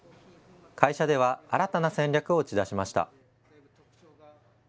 会社では新たな戦略を打ち出しました。